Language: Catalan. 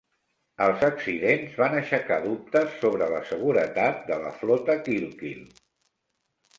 Els accidents van aixecà dubtes sobre la seguretat de la flota Kilkeel.